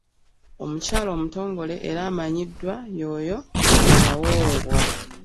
Omukyala omutongole era amanyiddwa y'oyo eyawoowebwa.